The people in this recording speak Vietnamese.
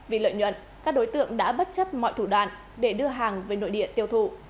vì lợi nhuận các đối tượng đã bất chấp mọi thủ đoạn để đưa hàng về nội địa tiêu thụ